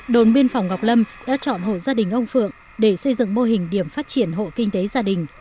đồn biên phòng ngọc lâm đã chọn hộ gia đình ông phượng để xây dựng mô hình điểm phát triển hộ kinh tế gia đình